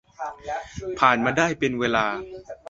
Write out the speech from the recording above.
ผ่านมาได้เป็นเวลา